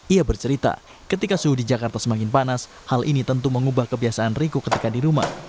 ia bercerita ketika suhu di jakarta semakin panas hal ini tentu mengubah kebiasaan riko ketika di rumah